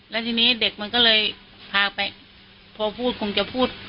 แล้วทีนี้เด็กมันก็เลยพาไปพอพูดคงจะพูด